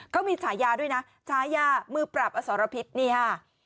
เขามีฉายาด้วยนะฉายามือปราบอสรพิษนี่ค่ะ